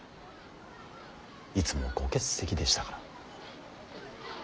いつもご欠席でしたから。